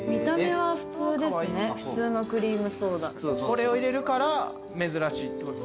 これを入れるから珍しいってことですね。